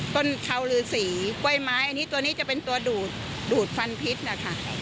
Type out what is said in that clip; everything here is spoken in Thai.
ต้นเขาหรือสีก๋วยไม้อันนี้ตัวนี้จะเป็นตัวดูดดูดฟันพิษนะคะ